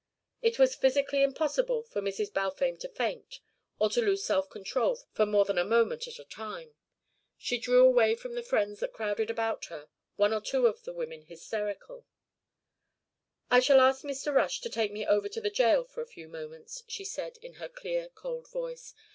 It was physically impossible for Mrs. Balfame to faint, or to lose self control for more than a moment at a time. She drew away from the friends that crowded about her, one or two of the women hysterical. "I shall ask Mr. Rush to take me over to the jail for a few moments," she said in her clear cold voice.